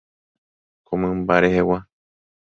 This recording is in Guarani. Ko mymba rehegua.